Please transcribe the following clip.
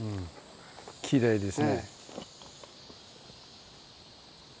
きれいですね。